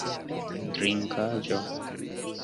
drinkaĵo